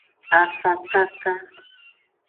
Afakaka.